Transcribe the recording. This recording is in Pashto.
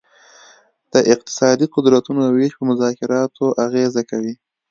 د اقتصادي قدرتونو ویش په مذاکراتو اغیزه کوي